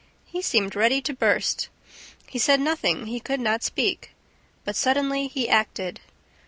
He seemed ready to burst. He said nothing, he could not speak. But suddenly he acted.